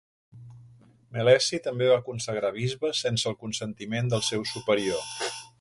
Meleci també va consagrar bisbes sense el consentiment del seu superior.